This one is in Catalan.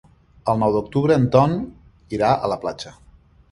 El nou d'octubre en Tom irà a la platja.